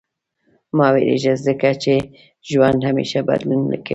• مه وېرېږه، ځکه چې ژوند همېشه بدلون کوي.